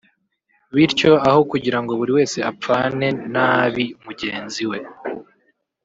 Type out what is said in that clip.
Bityo aho kugira ngo buri wese apfane nabi mugenzi we